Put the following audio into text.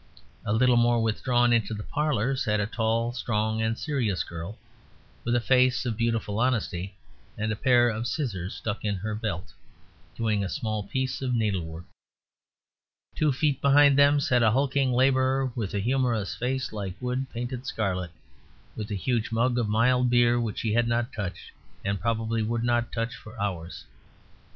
A little more withdrawn into the parlour sat a tall, strong, and serious girl, with a face of beautiful honesty and a pair of scissors stuck in her belt, doing a small piece of needlework. Two feet behind them sat a hulking labourer with a humorous face like wood painted scarlet, with a huge mug of mild beer which he had not touched, and probably would not touch for hours.